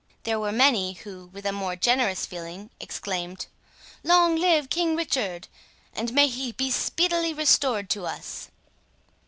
There were many who, with a more generous feeling, exclaimed, "Long live King Richard! and may he be speedily restored to us!"